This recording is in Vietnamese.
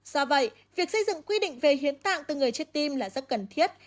do vậy việc xây dựng quy định về hiến tạng từ người chết tim là rất cần thiết